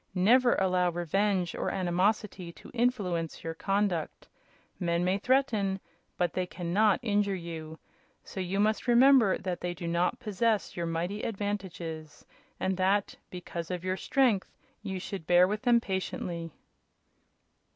Never allow revenge or animosity to influence your conduct. Men may threaten, but they can not injure you, so you must remember that they do not possess your mighty advantages, and that, because of your strength, you should bear with them patiently."